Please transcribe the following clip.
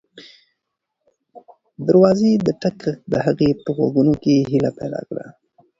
د دروازې د ټک غږ د هغې په غوږونو کې هیله پیدا کړه.